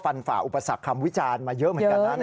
ฝ่าอุปสรรคคำวิจารณ์มาเยอะเหมือนกันนะ